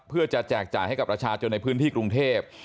เพื่อจะแจกจ่ายให้กับประชาชนในพื้นที่กรุงเทพ